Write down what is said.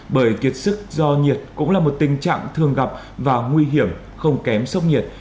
bởi kiệt sức do nhiệt cũng là một tình trạng thường gặp và nguy hiểm không kém sốc nhiệt